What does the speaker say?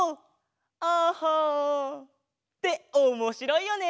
「ＡＨＨＡ」っておもしろいよね！